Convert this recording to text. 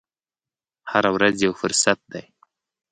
هره ورځ یو فرصت دی.